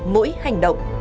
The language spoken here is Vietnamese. mỗi hành động